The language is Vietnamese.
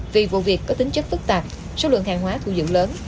vì vụ việc có tính chất phức tạp số lượng hàng hóa thu dự lớn